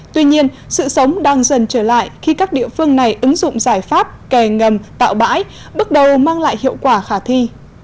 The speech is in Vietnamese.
tuy nhiên sự sống đang dần trở lại khi các địa phương này ứng dụng giải pháp kè ngầm tạo bãi bước đầu mang lại hiệu quả khả thi